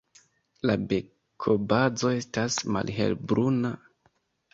La bekobazo estas malhelbruna.